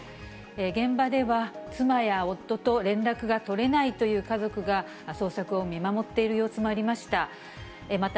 現場では、妻や夫と連絡が取れないという家族が、捜索を見守っている様子もありました。